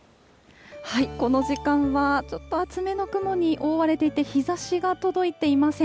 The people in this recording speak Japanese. この時間はちょっと厚めの雲に覆われていて、日ざしが届いていません。